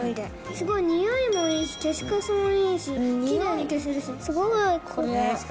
すごいにおいもいいし、消しカスもいいし、きれいに消せるし、すごい、これ。